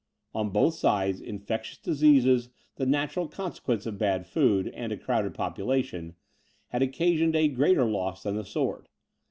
On both sides, infectious diseases, the natural consequence of bad food, and a crowded population, had occasioned a greater loss than the sword.